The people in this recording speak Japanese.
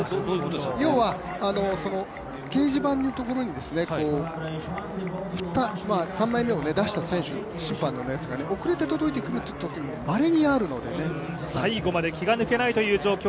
要は、掲示板のところに３枚目を出した選手、審判のやつが遅れて届いてくるっていうときもまれにあるので最後まで気が抜けないという状況